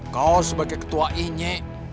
kau sebagai ketua ini